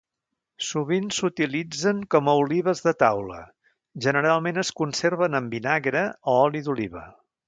Sovint s'utilitzen com a olives de taula, generalment es conserven en vinagre o oli d'oliva.